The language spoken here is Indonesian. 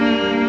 tunggu ya pak